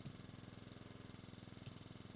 د خاموشي غږ زیات اغېز لري